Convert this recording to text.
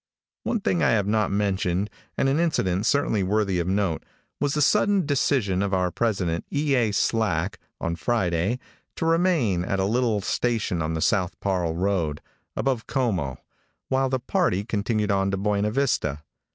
One thing I have not mentioned, and an incident certainly worthy of note, was the sudden decision of our president, E. A. Slack, on Friday, to remain at a little station on the South Parle road, above Como, while the party continued on to Buena Vista.